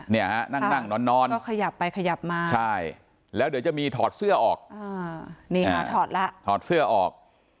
เนี่ยฮะนั่งนั่งนอนก็ขยับไปขยับมาใช่แล้วเดี๋ยวจะมีถอดเสื้อออกนี่ฮะถอดแล้วถอดเสื้อออก